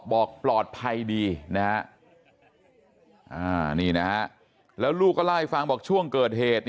บอกปลอดภัยดีนะฮะนี่นะฮะแล้วลูกก็เล่าให้ฟังบอกช่วงเกิดเหตุ